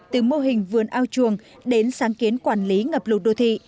từ mô hình vườn ao chuồng đến sáng kiến quản lý ngập lụt đô thị